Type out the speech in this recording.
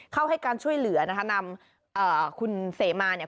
ให้การช่วยเหลือนะคะนำคุณเสมาเนี่ย